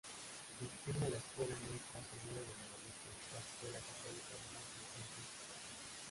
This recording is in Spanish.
Gestiona la Escuela Nuestra Señora de Guadalupe, la escuela católica más vieja en Houston.